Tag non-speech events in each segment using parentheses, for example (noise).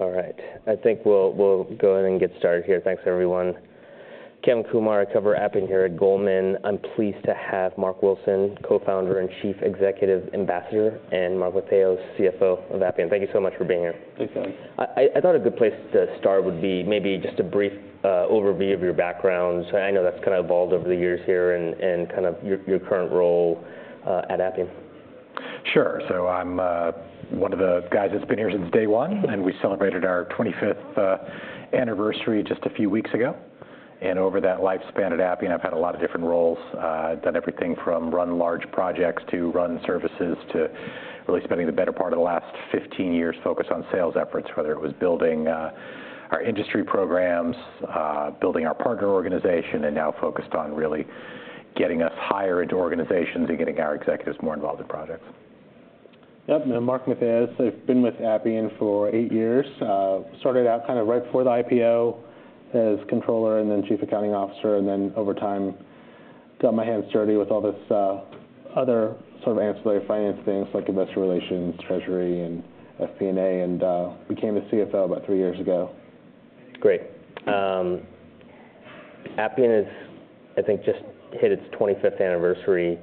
All right. I think we'll go ahead and get started here. Thanks, everyone. Kam Kumar, I cover Appian here at Goldman. I'm pleased to have Mark Wilson, Co-founder and Chief Executive Ambassador, and Mark Matheos, CFO of Appian. Thank you so much for being here. Thanks, guys. I thought a good place to start would be maybe just a brief overview of your background. So I know that's kind of evolved over the years here, and kind of your current role at Appian. Sure, so I'm one of the guys that's been here since day one, and we celebrated our twenty-fifth anniversary just a few weeks ago, and over that lifespan at Appian, I've had a lot of different roles, done everything from run large projects to run services, to really spending the better part of the last fifteen years focused on sales efforts, whether it was building our industry programs, building our partner organization, and now focused on really getting us higher into organizations and getting our executives more involved in projects. Yep, and I'm Mark Matheos. I've been with Appian for eight years. Started out kind of right before the IPO as controller and then chief accounting officer, and then over time, got my hands dirty with all this, other sort of ancillary finance things, like investor relations, treasury, and FP&A, and became the CFO about three years ago. Great. Appian has, I think, just hit its twenty-fifth anniversary.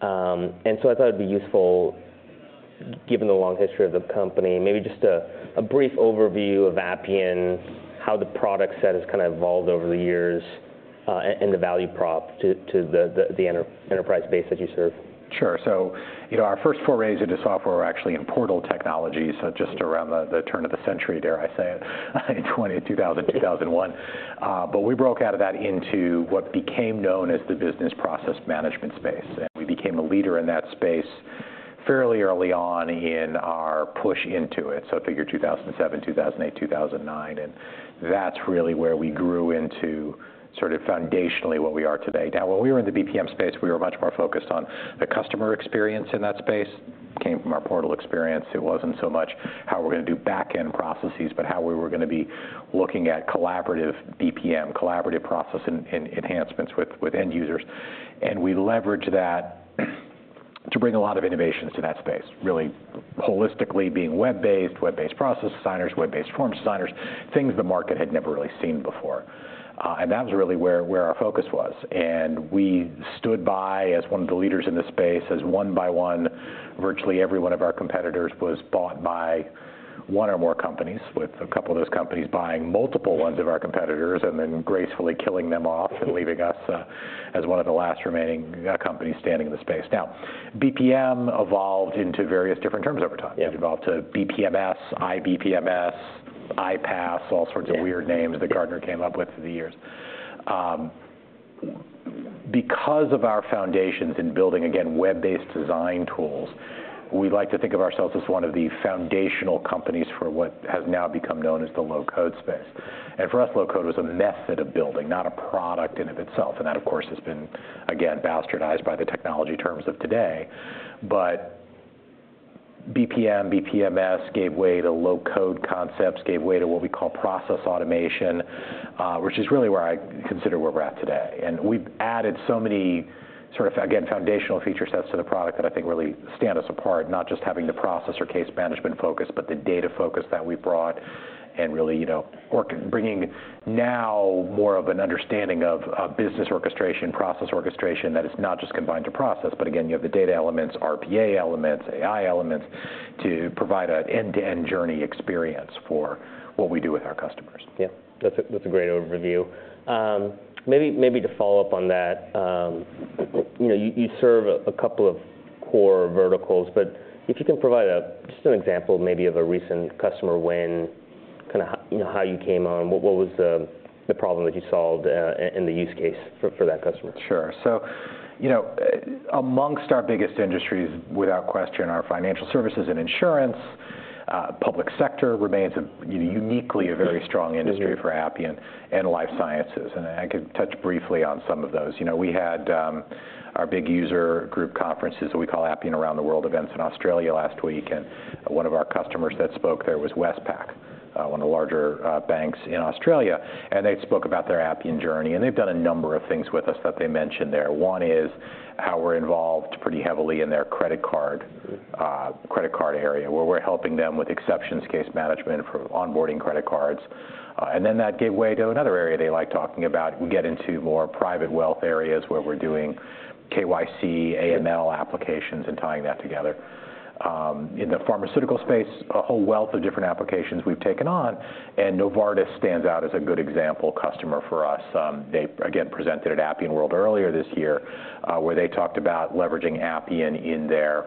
And so I thought it'd be useful, given the long history of the company, maybe just a brief overview of Appian, how the product set has kind of evolved over the years, and the value prop to the enterprise base that you serve. Sure. So, you know, our first forays into software were actually in portal technology, so just around the turn of the century, dare I say it, in 2000, 2001. But we broke out of that into what became known as the business process management space, and we became a leader in that space fairly early on in our push into it, so figure 2007, 2008, 2009, and that's really where we grew into sort of foundationally what we are today. Now, when we were in the BPM space, we were much more focused on the customer experience in that space. It came from our portal experience. It wasn't so much how we're gonna do back-end processes, but how we were gonna be looking at collaborative BPM, collaborative process and enhancements with end users. And we leveraged that to bring a lot of innovations to that space, really holistically being web-based, web-based process designers, web-based form designers, things the market had never really seen before. And that was really where our focus was, and we stood by as one of the leaders in this space, as one by one, virtually every one of our competitors was bought by one or more companies, with a couple of those companies buying multiple ones of our competitors and then gracefully killing them off and leaving us, as one of the last remaining, companies standing in the space. Now, BPM evolved into various different terms over time. Yeah. It evolved to BPMS, iBPMS, iPaaS- Yeah All sorts of weird names that Gartner came up with through the years. Because of our foundations in building, again, web-based design tools, we like to think of ourselves as one of the foundational companies for what has now become known as the low-code space. And for us, low-code was a method of building, not a product in and of itself, and that, of course, has been, again, bastardized by the technology terms of today. But BPM, BPMS gave way to low-code concepts, gave way to what we call process automation, which is really where I consider where we're at today. We've added so many sort of, again, foundational feature sets to the product that I think really stand us apart, not just having the process or case management focus, but the data focus that we've brought and really, you know, bringing now more of an understanding of business orchestration, process orchestration, that it's not just confined to process, but again, you have the data elements, RPA elements, AI elements, to provide an end-to-end journey experience for what we do with our customers. Yeah, that's a great overview. Maybe to follow up on that, you know, you serve a couple of core verticals, but if you can provide just an example, maybe of a recent customer win, kind of you know, how you came on? What was the problem that you solved, and the use case for that customer? Sure. So, you know, amongst our biggest industries, without question, are financial services and insurance. Public sector remains a uniquely very strong industry. Mm-hmm For Appian and life sciences, and I could touch briefly on some of those. You know, we had our big user group conferences, that we call Appian Around the World events, in Australia last week, and one of our customers that spoke there was Westpac, one of the larger banks in Australia, and they spoke about their Appian journey. And they've done a number of things with us that they mentioned there. One is how we're involved pretty heavily in their credit card area, where we're helping them with exceptions, case management for onboarding credit cards. And then that gave way to another area they like talking about. We get into more private wealth areas, where we're doing KYC, AML applications- Yeah And tying that together. In the pharmaceutical space, a whole wealth of different applications we've taken on, and Novartis stands out as a good example customer for us. They, again, presented at Appian World earlier this year, where they talked about leveraging Appian in their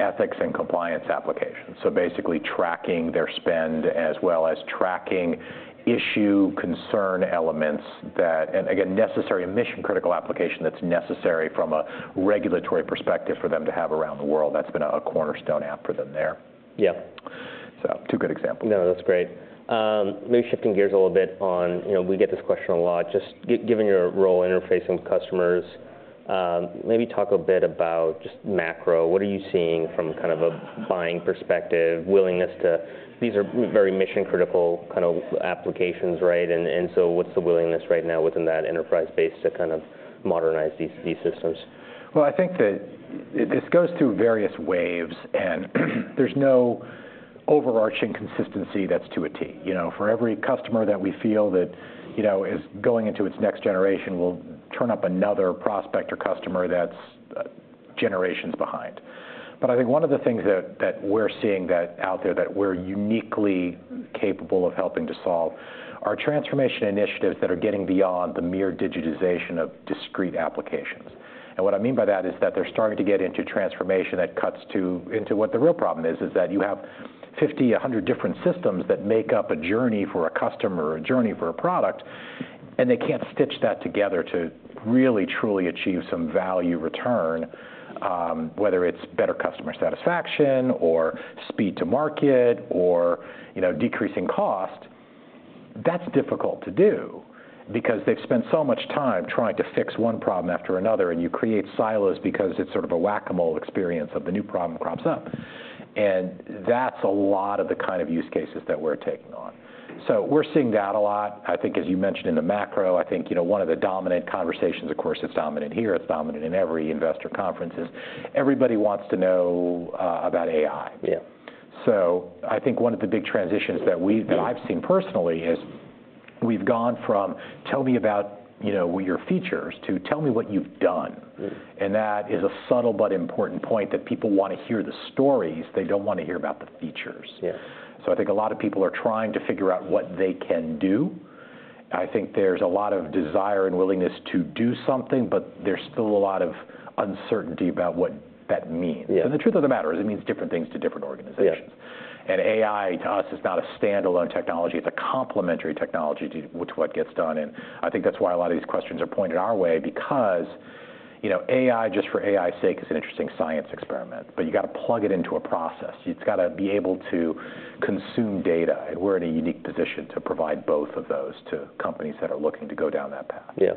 ethics and compliance applications, so basically tracking their spend, as well as tracking issue, concern elements that. Again, necessary, a mission-critical application that's necessary from a regulatory perspective for them to have around the world. That's been a cornerstone app for them there. Yeah. So two good examples. No, that's great. Maybe shifting gears a little bit on, you know, we get this question a lot: Just giving your role interfacing with customers, maybe talk a bit about just macro. What are you seeing from kind of a buying perspective, willingness to. These are very mission-critical kind of applications, right? And, and so what's the willingness right now within that enterprise base to kind of modernize these, these systems? Well, I think that this goes through various waves, and there's no overarching consistency that's to a T. You know, for every customer that we feel that, you know, is going into its next generation, we'll turn up another prospect or customer that's generations behind. But I think one of the things that we're seeing out there that we're uniquely capable of helping to solve are transformation initiatives that are getting beyond the mere digitization of discrete applications. What I mean by that is that they're starting to get into transformation that cuts into what the real problem is that you have 50, 100 different systems that make up a journey for a customer or a journey for a product, and they can't stitch that together to really, truly achieve some value return, whether it's better customer satisfaction, or speed to market or, you know, decreasing cost. That's difficult to do because they've spent so much time trying to fix one problem after another, and you create silos because it's sort of a Whac-A-Mole experience of the new problem crops up. That's a lot of the kind of use cases that we're taking on. We're seeing that a lot. I think, as you mentioned in the macro, I think, you know, one of the dominant conversations, of course, it's dominant here, it's dominant in every investor conference, is everybody wants to know about AI. Yeah. So I think one of the big transitions that I've seen personally is we've gone from, "Tell me about, you know, your features," to, "Tell me what you've done. Mm. And that is a subtle but important point, that people want to hear the stories. They don't want to hear about the features. Yes. So I think a lot of people are trying to figure out what they can do. I think there's a lot of desire and willingness to do something, but there's still a lot of uncertainty about what that means. Yeah. The truth of the matter is, it means different things to different organizations. Yeah. And AI, to us, is not a standalone technology. It's a complementary technology to, with what gets done, and I think that's why a lot of these questions are pointed our way, because, you know, AI, just for AI's sake, is an interesting science experiment, but you've got to plug it into a process. You've got to be able to consume data, and we're in a unique position to provide both of those to companies that are looking to go down that path. Yeah.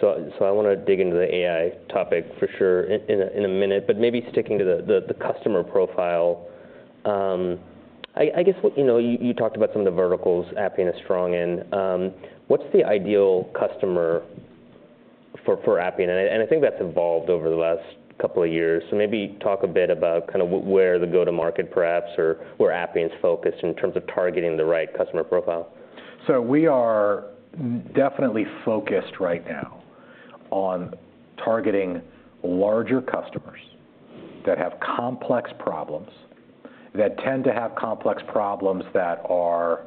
So I want to dig into the AI topic for sure in a minute, but maybe sticking to the customer profile. I guess what. You know, you talked about some of the verticals Appian is strong in. What's the ideal customer for Appian? And I think that's evolved over the last couple of years. So maybe talk a bit about kind of where the go-to-market perhaps, or where Appian's focused in terms of targeting the right customer profile. We are definitely focused right now on targeting larger customers that have complex problems, that tend to have complex problems that are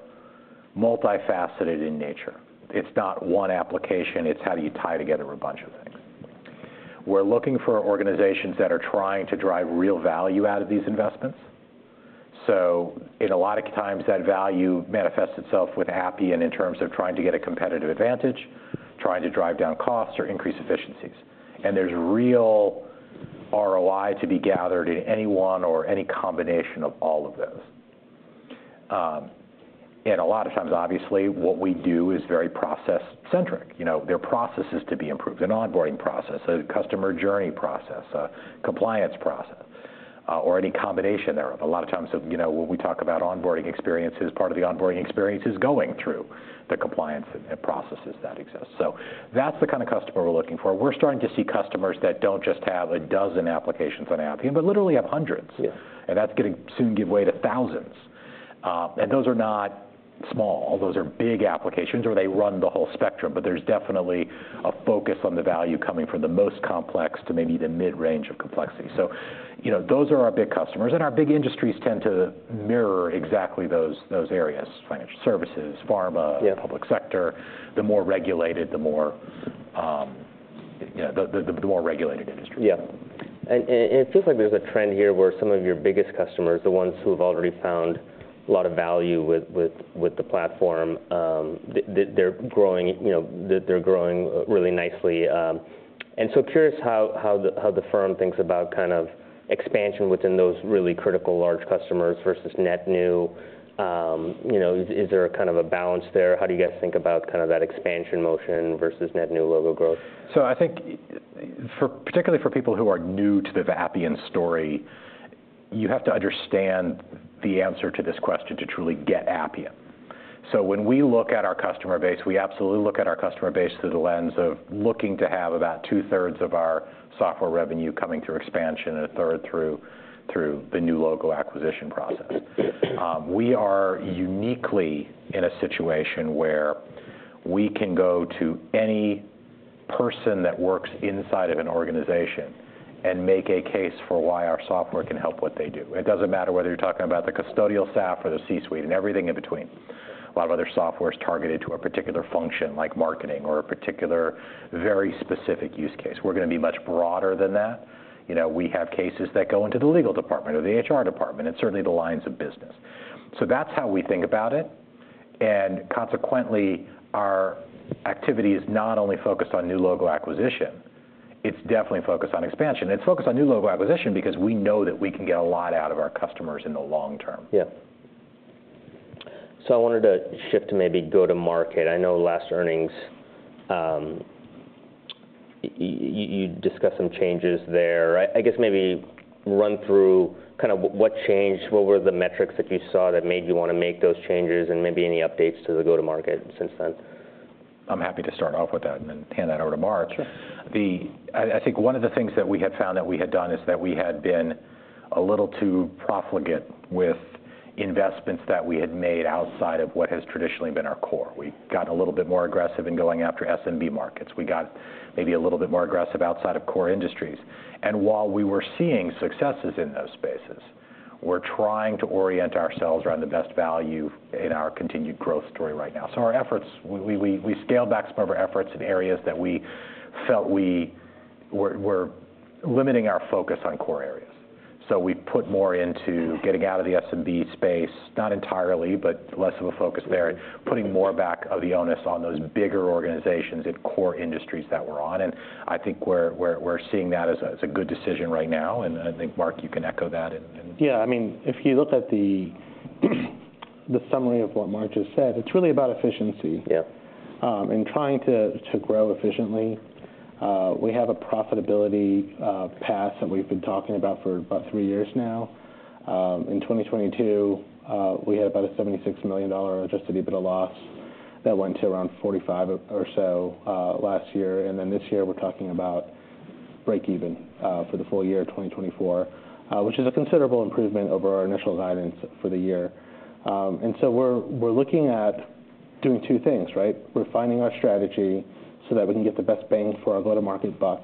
multifaceted in nature. It's not one application. It's how do you tie together a bunch of things. We're looking for organizations that are trying to drive real value out of these investments. In a lot of times, that value manifests itself with Appian in terms of trying to get a competitive advantage, trying to drive down costs or increase efficiencies. And there's real ROI to be gathered in any one or any combination of all of those, and a lot of times, obviously, what we do is very process-centric. You know, there are processes to be improved, an onboarding process, a customer journey process, a compliance process, or any combination thereof. A lot of times, you know, when we talk about onboarding experiences, part of the onboarding experience is going through the compliance and processes that exist. So that's the kind of customer we're looking for. We're starting to see customers that don't just have a dozen applications on Appian, but literally have hundreds. Yeah. That's going to soon give way to thousands, and those are not small. Those are big applications, or they run the whole spectrum, but there's definitely a focus on the value coming from the most complex to maybe the mid-range of complexity, so you know, those are our big customers, and our big industries tend to mirror exactly those areas: financial services, pharma. Yeah Public sector. The more regulated, the more regulated industries. Yeah, and it seems like there's a trend here where some of your biggest customers, the ones who have already found a lot of value with the platform, they, they're growing, you know, they, they're growing really nicely. And so curious how the firm thinks about kind of expansion within those really critical large customers versus net new. You know, is there a kind of a balance there? How do you guys think about kind of that expansion motion versus net new logo growth? So I think, for particularly for people who are new to the Appian story, you have to understand the answer to this question to truly get Appian. So when we look at our customer base, we absolutely look at our customer base through the lens of looking to have about two-thirds of our software revenue coming through expansion and a third through the new logo acquisition process. We are uniquely in a situation where we can go to any person that works inside of an organization and make a case for why our software can help what they do. It doesn't matter whether you're talking about the custodial staff or the C-suite and everything in between. A lot of other software is targeted to a particular function, like marketing or a particular very specific use case. We're going to be much broader than that. You know, we have cases that go into the legal department or the HR department, and certainly the lines of business. So that's how we think about it, and consequently, our activity is not only focused on new logo acquisition, it's definitely focused on expansion. It's focused on new logo acquisition because we know that we can get a lot out of our customers in the long term. Yeah. So I wanted to shift to maybe go-to-market. I know last earnings, you discussed some changes there, right? I guess maybe run through kind of what changed, what were the metrics that you saw that made you want to make those changes, and maybe any updates to the go-to-market since then? I'm happy to start off with that, and then hand that over to Mark. Sure. I think one of the things that we had found that we had done is that we had been a little too profligate with investments that we had made outside of what has traditionally been our core. We've gotten a little bit more aggressive in going after SMB markets. We got maybe a little bit more aggressive outside of core industries. While we were seeing successes in those spaces, we're trying to orient ourselves around the best value in our continued growth story right now. We scaled back some of our efforts in areas that we felt we were limiting our focus on core areas. We put more into getting out of the SMB space, not entirely, but less of a focus there, and putting more back of the onus on those bigger organizations in core industries that we're on. I think we're seeing that as a good decision right now, and I think, Mark, you can echo that and. Yeah, I mean, if you look at the summary of what Mark just said, it's really about efficiency- Yeah And trying to grow efficiently. We have a profitability path that we've been talking about for about three years now. In 2022, we had about a $76 million adjusted EBITDA loss that went to around $45 or so last year. And then this year, we're talking about breakeven for the full year of 2024, which is a considerable improvement over our initial guidance for the year. And so we're looking at doing two things, right? We're finding our strategy so that we can get the best bang for our go-to-market buck,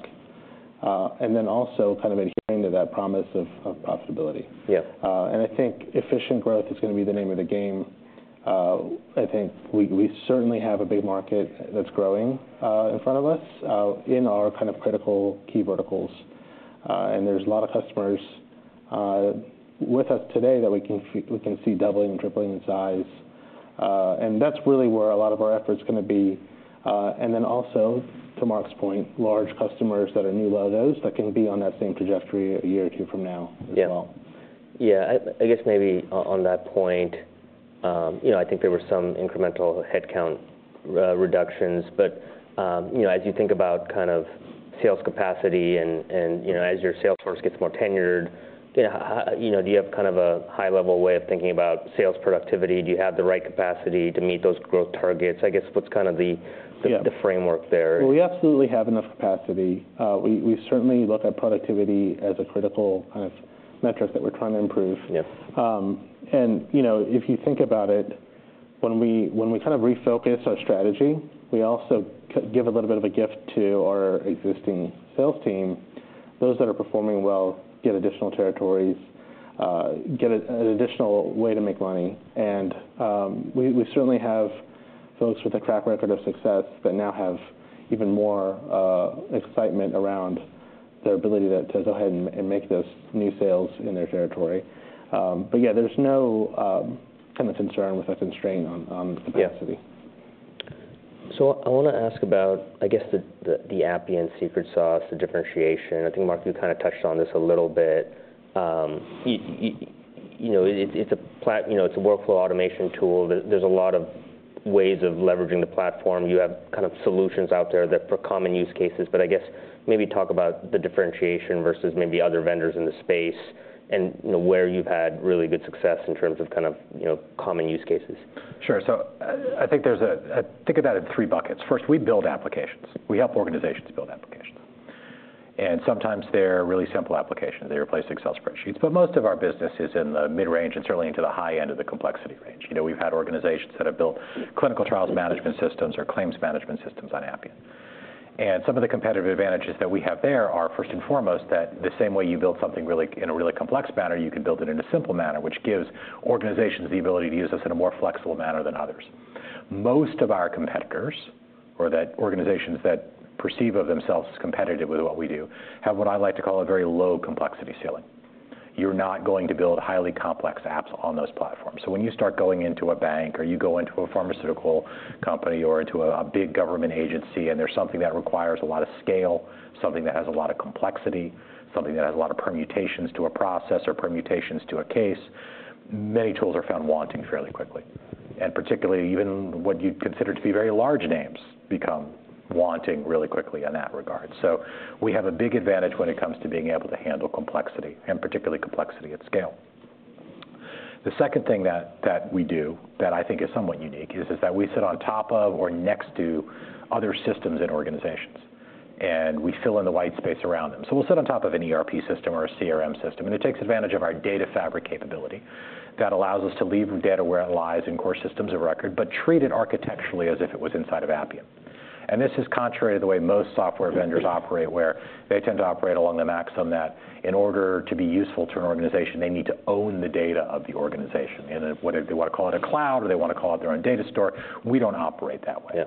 and then also kind of adhering to that promise of profitability. Yeah. And I think efficient growth is gonna be the name of the game. I think we certainly have a big market that's growing in front of us in our kind of critical key verticals. And there's a lot of customers with us today that we can see doubling and tripling in size, and that's really where a lot of our effort's gonna be. And then also, to Mark's point, large customers that are new logos, that can be on that same trajectory a year or two from now as well. Yeah. Yeah. I guess maybe on that point, you know, I think there were some incremental headcount reductions, but, you know, as you think about kind of sales capacity and, you know, as your sales force gets more tenured, you know, do you have kind of a high-level way of thinking about sales productivity? Do you have the right capacity to meet those growth targets? I guess, what's kind of the. (crosstalk) Yeah The framework there? We absolutely have enough capacity. We certainly look at productivity as a critical kind of metric that we're trying to improve. Yes. And, you know, if you think about it, when we kind of refocused our strategy, we also give a little bit of a gift to our existing sales team. Those that are performing well get additional territories, get an additional way to make money. And we certainly have folks with a track record of success that now have even more excitement around their ability to go ahead and make those new sales in their territory. But yeah, there's no kind of concern with a constraint on capacity. So I wanna ask about, I guess, the Appian secret sauce, the differentiation. I think, Mark, you kind of touched on this a little bit. You know, it's a workflow automation tool. There's a lot of ways of leveraging the platform. You have kind of solutions out there that for common use cases, but I guess, maybe talk about the differentiation versus maybe other vendors in the space, and, you know, where you've had really good success in terms of kind of, you know, common use cases. Sure. So, I think. Think about it in three buckets. First, we build applications. We help organizations build applications, and sometimes they're really simple applications. They replace Excel spreadsheets, but most of our business is in the mid-range, and certainly into the high end of the complexity range. You know, we've had organizations that have built clinical trials management systems or claims management systems on Appian. And some of the competitive advantages that we have there are, first and foremost, that the same way you build something really, in a really complex manner, you can build it in a simple manner, which gives organizations the ability to use us in a more flexible manner than others. Most of our competitors, or that organizations that perceive of themselves as competitive with what we do, have what I like to call a very low complexity ceiling. You're not going to build highly complex apps on those platforms. So when you start going into a bank, or you go into a pharmaceutical company, or into a big government agency, and there's something that requires a lot of scale, something that has a lot of complexity, something that has a lot of permutations to a process or permutations to a case, many tools are found wanting fairly quickly, and particularly, even what you'd consider to be very large names, become wanting really quickly in that regard, so we have a big advantage when it comes to being able to handle complexity, and particularly complexity at scale. The second thing that we do that I think is somewhat unique is that we sit on top of or next to other systems and organizations, and we fill in the white space around them. We'll sit on top of an ERP system or a CRM system, and it takes advantage of our Data Fabric capability that allows us to leave data where it lies in core systems of record, but treat it architecturally as if it was inside of Appian. And this is contrary to the way most software vendors operate, where they tend to operate along the maxim that in order to be useful to an organization, they need to own the data of the organization. And whether they wanna call it a cloud, or they wanna call it their own data store, we don't operate that way. Yeah.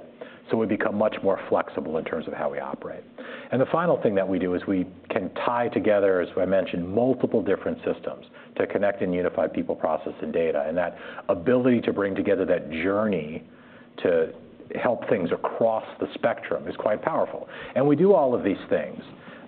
So we've become much more flexible in terms of how we operate. And the final thing that we do is we can tie together, as I mentioned, multiple different systems to connect and unify people, process, and data. And that ability to bring together that journey to help things across the spectrum is quite powerful. And we do all of these things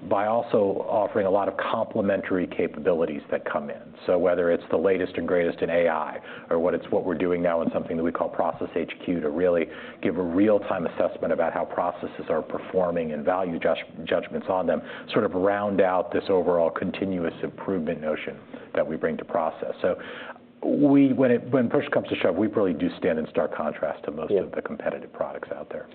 by also offering a lot of complementary capabilities that come in. So whether it's the latest and greatest in AI, or what we're doing now in something that we call Process HQ, to really give a real-time assessment about how processes are performing and value judgments on them, sort of round out this overall continuous improvement notion that we bring to process. So we, when push comes to shove, we probably do stand in stark contrast to most. (crosstalk) Yeah The competitive products out there.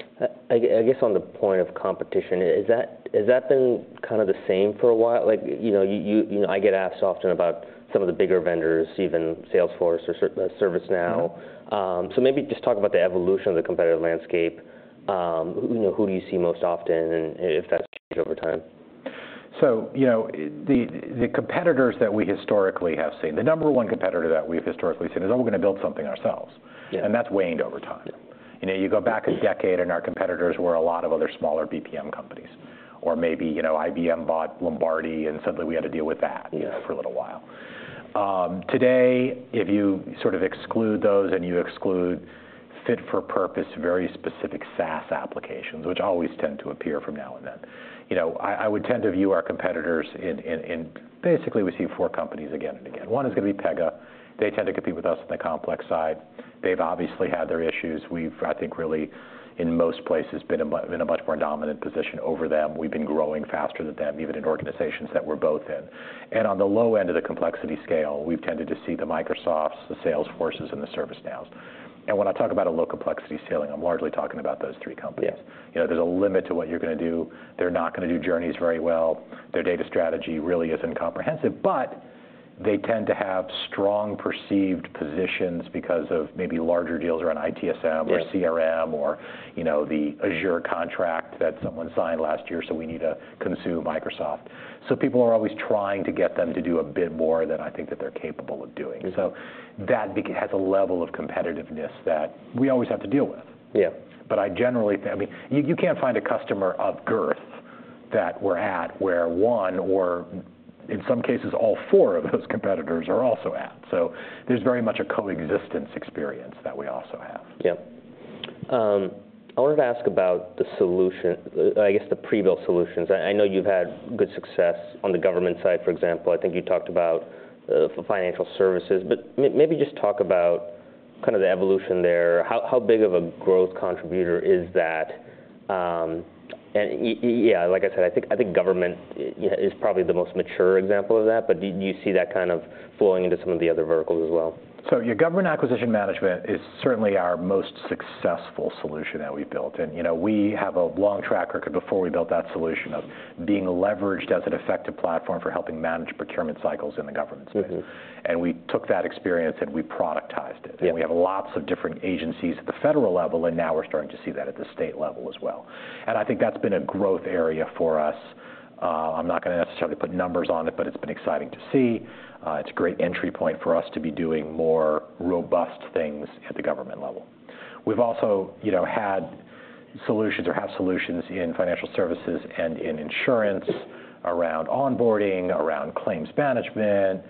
I guess on the point of competition, has that been kind of the same for a while? Like, you know, I get asked often about some of the bigger vendors, even Salesforce or ServiceNow. Mm-hmm. So maybe just talk about the evolution of the competitive landscape. You know, who do you see most often, and if that's changed over time? So, you know, the competitors that we historically have seen, the number one competitor that we've historically seen is, "Are we gonna build something ourselves? Yeah. That's waned over time. Yeah. You know, you go back a decade, and our competitors were a lot of other smaller BPM companies, or maybe, you know, IBM bought Lombardi, and suddenly we had to deal with that. Yeah For a little while. Today, if you sort of exclude those, and you exclude fit-for-purpose, very specific SaaS applications, which always tend to appear from now and then, you know, I would tend to view our competitors in. Basically, we see four companies again and again. One is gonna be Pega. They tend to compete with us on the complex side. They've obviously had their issues. We've, I think, really, in most places, been a much more dominant position over them. We've been growing faster than them, even in organizations that we're both in. And on the low end of the complexity scale, we've tended to see the Microsofts, the Salesforces, and the ServiceNows. And when I talk about a low complexity scale, I'm largely talking about those three companies. Yeah. You know, there's a limit to what you're gonna do. They're not gonna do journeys very well. Their data strategy really isn't comprehensive, but they tend to have strong perceived positions because of maybe larger deals around ITSM. Yeah Or CRM or, you know, the Azure contract that someone signed last year, so we need to consume Microsoft. So people are always trying to get them to do a bit more than I think that they're capable of doing. Yeah. So that has a level of competitiveness that we always have to deal with. Yeah. But I generally, I mean, you can't find a customer of girth that we're at, where one or, in some cases, all four of those competitors are also at. So there's very much a coexistence experience that we also have. Yeah. I wanted to ask about the solution, I guess, the pre-built solutions. I know you've had good success on the government side, for example. I think you talked about for financial services, but maybe just talk about kind of the evolution there. How big of a growth contributor is that? And yeah, like I said, I think government yeah is probably the most mature example of that, but do you see that kind of flowing into some of the other verticals as well? So your Government Acquisition Management is certainly our most successful solution that we've built. And, you know, we have a long track record before we built that solution of being leveraged as an effective platform for helping manage procurement cycles in the government space. Mm-hmm. We took that experience, and we productized it. Yeah. And we have lots of different agencies at the federal level, and now we're starting to see that at the state level as well. I think that's been a growth area for us. I'm not gonna necessarily put numbers on it, but it's been exciting to see. It's a great entry point for us to be doing more robust things at the government level. We've also, you know, had solutions or have solutions in financial services and in insurance around onboarding, around claims management,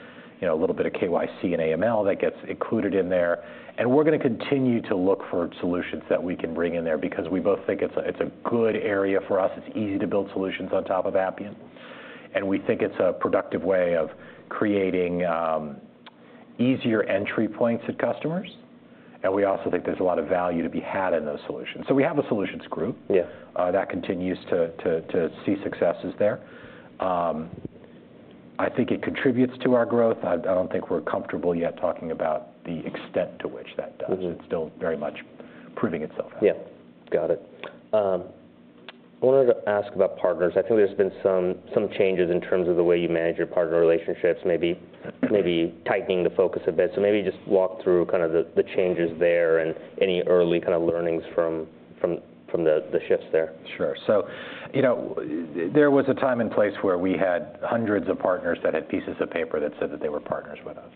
you know, a little bit of KYC and AML that gets included in there. We're gonna continue to look for solutions that we can bring in there because we both think it's a good area for us. It's easy to build solutions on top of Appian, and we think it's a productive way of creating easier entry points at customers, and we also think there's a lot of value to be had in those solutions. So we have a solutions group. (crosstalk) Yeah That continues to see successes there. I think it contributes to our growth. I don't think we're comfortable yet talking about the extent to which that does. Mm-hmm. It's still very much proving itself out. Yeah. Got it. I wanted to ask about partners. I think there's been some changes in terms of the way you manage your partner relationships, maybe tightening the focus a bit, so maybe just walk through kind of the changes there and any early kind of learnings from the shifts there. Sure. So, you know, there was a time and place where we had hundreds of partners that had pieces of paper that said that they were partners with us.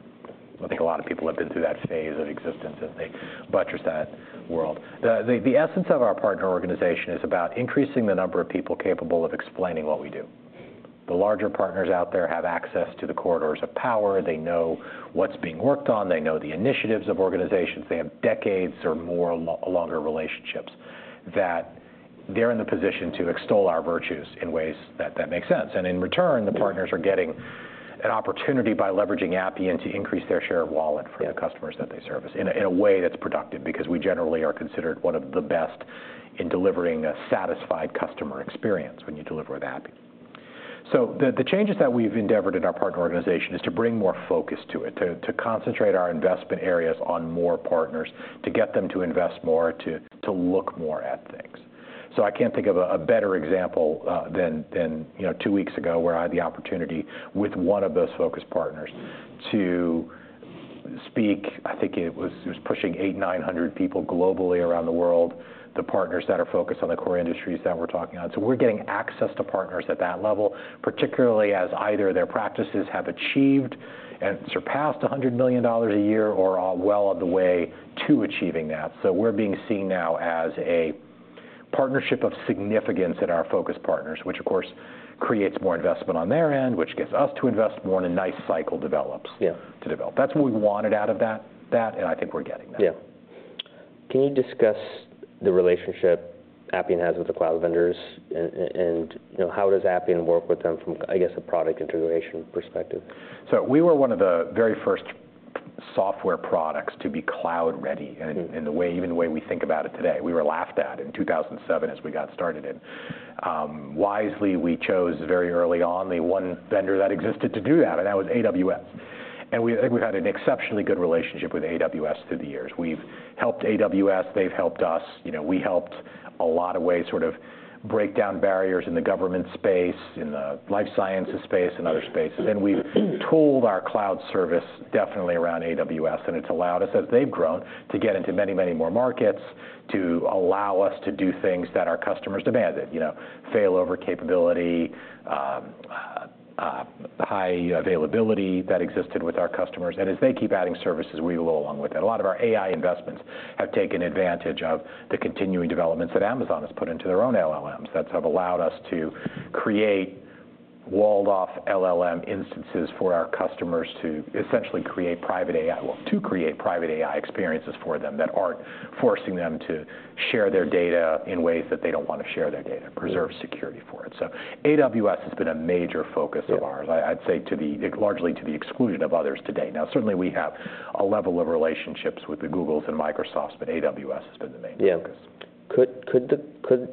I think a lot of people have been through that phase of existence, and they buttress that world. The essence of our partner organization is about increasing the number of people capable of explaining what we do. The larger partners out there have access to the corridors of power. They know what's being worked on. They know the initiatives of organizations. They have decades or more longer relationships, that they're in the position to extol our virtues in ways that make sense. And in return, the partners are getting an opportunity by leveraging Appian to increase their share of wallet. (crosstalk) Yeah For the customers that they service, in a way that's productive. Because we generally are considered one of the best in delivering a satisfied customer experience when you deliver with Appian. So the changes that we've endeavored in our partner organization is to bring more focus to it, to concentrate our investment areas on more partners, to get them to invest more, to look more at things. So I can't think of a better example than you know, two weeks ago, where I had the opportunity with one of those focus partners to speak. I think it was pushing eight, nine hundred people globally around the world, the partners that are focused on the core industries that we're talking about. So we're getting access to partners at that level, particularly as either their practices have achieved and surpassed $100 million a year or are well on the way to achieving that. So we're being seen now as a partnership of significance in our focus partners, which of course, creates more investment on their end, which gets us to invest more, and a nice cycle develops. (crosstalk) Yeah To develop. That's what we wanted out of that, and I think we're getting that. Yeah. Can you discuss the relationship Appian has with the cloud vendors, and, you know, how does Appian work with them from, I guess, a product integration perspective? So we were one of the very first software products to be cloud-ready- Mm Even the way we think about it today. We were laughed at in 2007 as we got started, and wisely we chose very early on the one vendor that existed to do that, and that was AWS. I think we've had an exceptionally good relationship with AWS through the years. We've helped AWS. They've helped us. You know, we helped in a lot of ways sort of break down barriers in the government space, in the life sciences space, and other spaces. We've tooled our cloud service definitely around AWS, and it's allowed us, as they've grown, to get into many, many more markets, to allow us to do things that our customers demanded. You know, failover capability, high availability that existed with our customers. As they keep adding services, we roll along with it. A lot of our AI investments have taken advantage of the continuing developments that Amazon has put into their own LLMs, that have allowed us to create walled-off LLM instances for our customers to essentially create private AI, well, to create private AI experiences for them, that aren't forcing them to share their data in ways that they don't want to share their data, preserve security for it. So AWS has been a major focus of ours. (crosstalk) Yeah. I'd say largely to the exclusion of others today. Now, certainly, we have a level of relationships with the Googles and Microsofts, but AWS has been the main focus. Yeah. Could you know,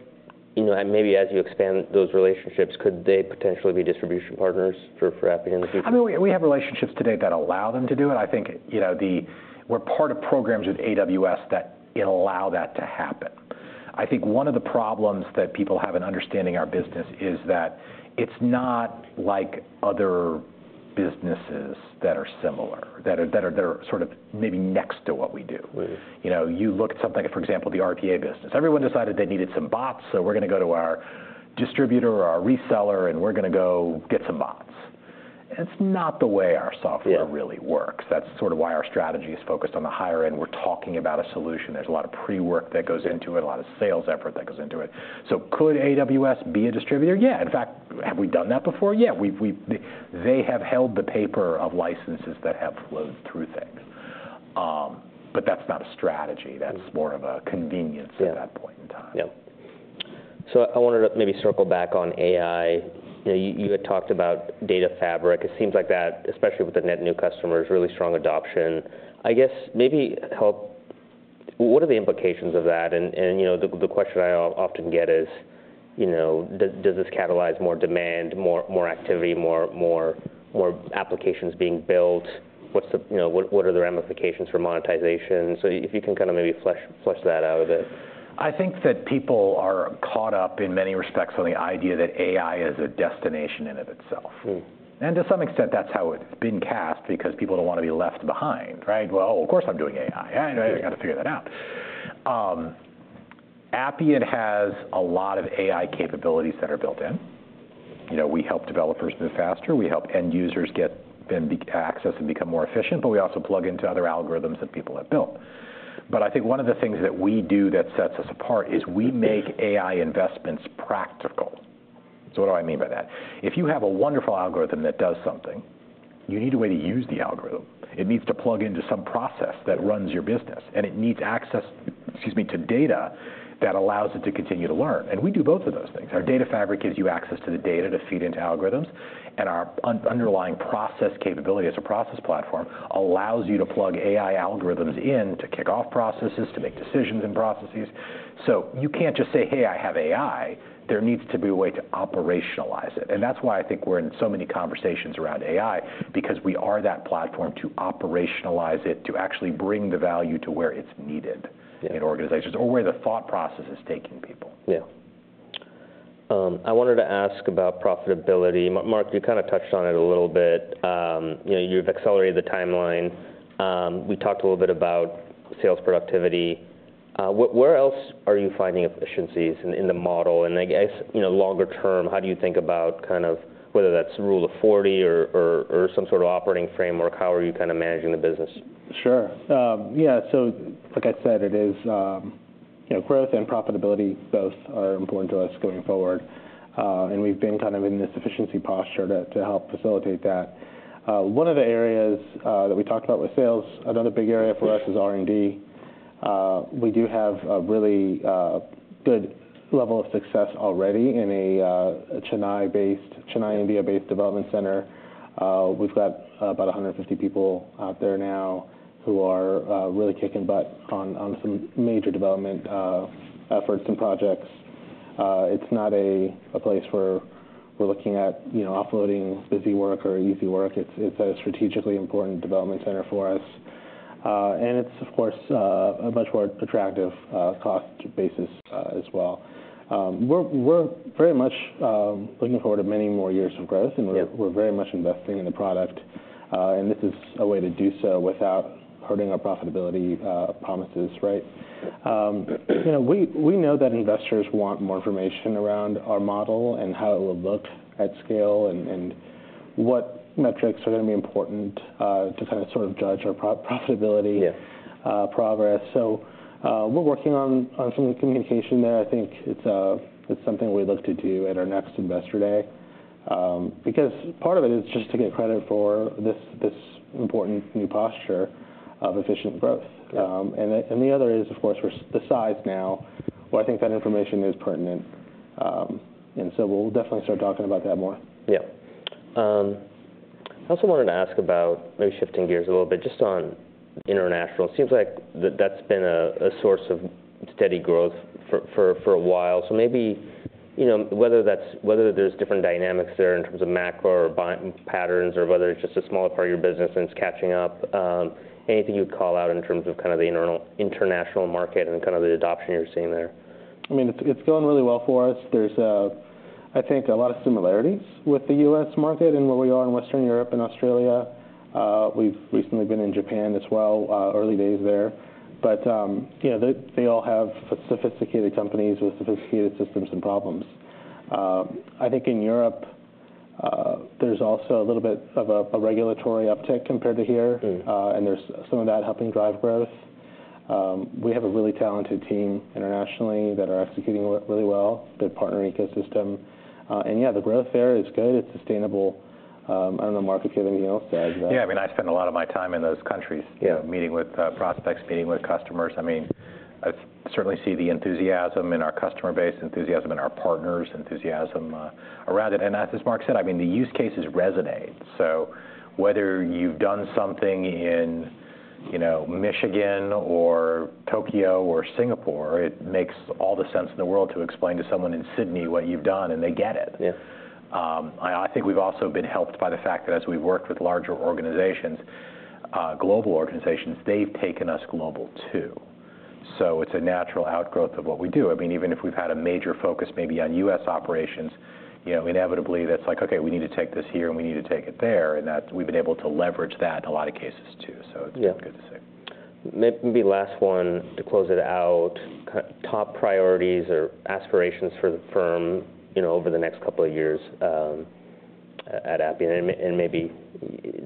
and maybe as you expand those relationships, could they potentially be distribution partners for Appian in the future? I mean, we have relationships today that allow them to do it. I think, you know, the... We're part of programs with AWS that it'll allow that to happen. I think one of the problems that people have in understanding our business is that it's not like other businesses that are similar, that are, they're sort of maybe next to what we do. Mm-hmm. You know, you look at something, for example, the RPA business. Everyone decided they needed some bots, so we're going to go to our distributor or our reseller, and we're going to go get some bots. That's not the way our software really works. Yeah. That's sort of why our strategy is focused on the higher end. We're talking about a solution. There's a lot of pre-work that goes into it, a lot of sales effort that goes into it. So could AWS be a distributor? Yeah. In fact, have we done that before? Yeah, we've. They have held the paper of licenses that have flowed through things. But that's not a strategy. That's more of a convenience. (crosstalk) Yeah At that point in time. Yeah. So I wanted to maybe circle back on AI. You know, you had talked about Data Fabric. It seems like that, especially with the net new customers, really strong adoption. I guess maybe help... What are the implications of that? And you know, the question I often get is, you know, does this catalyze more demand, more activity, more applications being built? What's the... You know, what are the ramifications for monetization? So if you can kind of maybe flesh that out a bit. I think that people are caught up, in many respects, on the idea that AI is a destination in and of itself. Mm-hmm. And to some extent, that's how it's been cast, because people don't want to be left behind, right? "Well, of course, I'm doing AI. I got to figure that out." Appian has a lot of AI capabilities that are built in. You know, we help developers move faster, we help end users get them access and become more efficient, but we also plug into other algorithms that people have built. But I think one of the things that we do that sets us apart is we make AI investments practical. So what do I mean by that? If you have a wonderful algorithm that does something, you need a way to use the algorithm. It needs to plug into some process that runs your business, and it needs access, excuse me, to data that allows it to continue to learn. And we do both of those things. Our Data Fabric gives you access to the data to feed into algorithms, and our underlying process capability as a process platform allows you to plug AI algorithms in to kick off processes, to make decisions in processes. So you can't just say, "Hey, I have AI." There needs to be a way to operationalize it. And that's why I think we're in so many conversations around AI, because we are that platform to operationalize it, to actually bring the value to where it's needed- Yeah In organizations, or where the thought process is taking people. Yeah. I wanted to ask about profitability. Mark, you kind of touched on it a little bit. You know, you've accelerated the timeline. We talked a little bit about sales productivity. Where else are you finding efficiencies in the model? And I guess, you know, longer term, how do you think about kind of whether that's Rule of 40 or some sort of operating framework, how are you kind of managing the business? Sure. Yeah, so like I said, it is... You know, growth and profitability both are important to us going forward, and we've been kind of in this efficiency posture to help facilitate that. One of the areas that we talked about with sales, another big area for us is R&D. We do have a really good level of success already in a Chennai-based, Chennai, India-based development center. We've got about 150 people out there now who are really kicking butt on some major development efforts and projects. It's not a place where we're looking at, you know, offloading busy work or easy work. It's a strategically important development center for us. And it's, of course, a much more attractive cost basis as well. We're very much looking forward to many more years of growth. Yeah And we're very much investing in the product. And this is a way to do so without hurting our profitability promises, right? You know, we know that investors want more information around our model, and how it will look at scale, and what metrics are going to be important to kind of sort of judge our profitability- Yeah Progress. So, we're working on some of the communication there. I think it's something we'd look to do at our next Investor Day. Because part of it is just to get credit for this important new posture of efficient growth. Yeah. And the other is, of course, we're the size now, where I think that information is pertinent. And so we'll definitely start talking about that more. Yeah. I also wanted to ask about maybe shifting gears a little bit, just on international. It seems like that's been a source of steady growth for a while. So maybe you know, whether that's whether there's different dynamics there in terms of macro or buying patterns, or whether it's just a smaller part of your business and it's catching up, anything you'd call out in terms of kind of the international market and kind of the adoption you're seeing there? I mean, it's going really well for us. There's, I think, a lot of similarities with the U.S. market and where we are in Western Europe and Australia. We've recently been in Japan as well, early days there. But, yeah, they all have sophisticated companies with sophisticated systems and problems. I think in Europe, there's also a little bit of a regulatory uptick compared to here. Mm. And there's some of that helping drive growth. We have a really talented team internationally that are executing really well, good partner ecosystem. And yeah, the growth there is good. It's sustainable. I don't know, Mark, if you have anything else to add there. Yeah, I mean, I spend a lot of my time in those countries- Yeah Meeting with prospects, meeting with customers. I mean, I certainly see the enthusiasm in our customer base, enthusiasm in our partners, enthusiasm around it. And as Mark said, I mean, the use cases resonate. So whether you've done something in, you know, Michigan or Tokyo or Singapore, it makes all the sense in the world to explain to someone in Sydney what you've done, and they get it. Yeah. I think we've also been helped by the fact that as we've worked with larger organizations, global organizations, they've taken us global, too. So it's a natural outgrowth of what we do. I mean, even if we've had a major focus maybe on U.S. operations, you know, inevitably that's like, okay, we need to take this here, and we need to take it there, and we've been able to leverage that in a lot of cases, too. Yeah. It's good to see. Maybe last one to close it out. Top priorities or aspirations for the firm, you know, over the next couple of years, at Appian, and maybe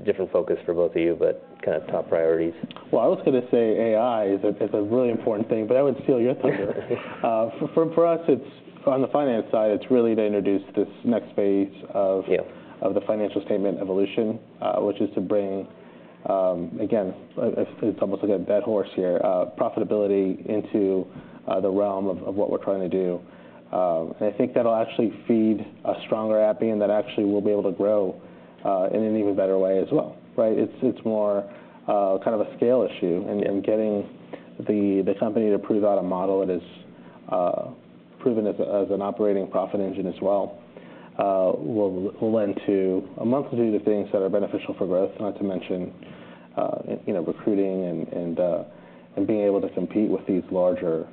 different focus for both of you, but kind of top priorities. I was going to say AI is a really important thing, but I would steal your thunder. For us, on the finance side, it's really to introduce this next phase of. (crosstalk) Yeah Of the financial statement evolution, which is to bring, again, it's almost like a dead horse here, profitability into the realm of what we're trying to do, and I think that'll actually feed a stronger Appian that actually will be able to grow in an even better way as well, right? It's more kind of a scale issue and getting the company to prove out a model that is proven as an operating profit engine as well, will lend to a mentality to do the things that are beneficial for growth, not to mention you know, recruiting and being able to compete with these larger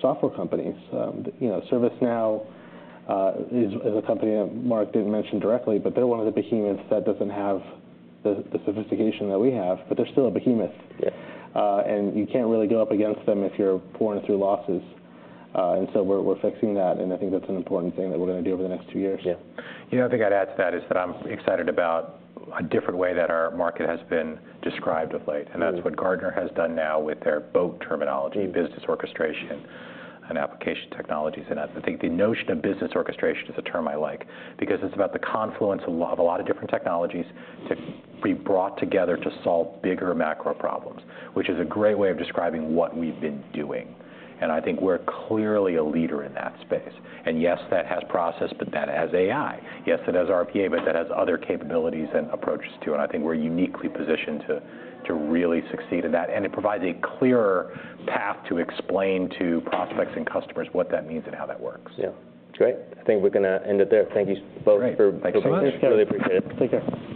software companies. You know, ServiceNow is a company that Marc didn't mention directly, but they're one of the behemoths that doesn't have the sophistication that we have, but they're still a behemoth. Yeah. And you can't really go up against them if you're pouring through losses. And so we're fixing that, and I think that's an important thing that we're going to do over the next two years. Yeah. You know, the thing I'd add to that is that I'm excited about a different way that our market has been described of late. Mm. That's what Gartner has done now with their BOAT terminology. Mm Business Orchestration and Application Technologies. And I think the notion of business orchestration is a term I like, because it's about the confluence of a lot, of a lot of different technologies to be brought together to solve bigger macro problems, which is a great way of describing what we've been doing. And I think we're clearly a leader in that space. And yes, that has process, but that has AI. Yes, it has RPA, but that has other capabilities and approaches, too, and I think we're uniquely positioned to really succeed in that. And it provides a clearer path to explain to prospects and customers what that means and how that works. Yeah. Great. I think we're going to end it there. Thank you both for. (crosstalk) Great. Thanks so much. Really appreciate it. Take care.